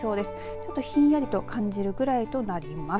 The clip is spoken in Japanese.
ちょっと、ひんやりと感じるくらいとなります。